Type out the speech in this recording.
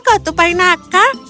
oh kau tupai nakal